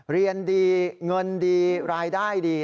เรียนดีเงินดีรายได้ดี